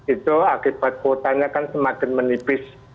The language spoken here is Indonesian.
itu akibat kuotanya kan semakin menipis